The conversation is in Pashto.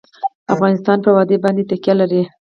افغانستان په وادي باندې تکیه لري.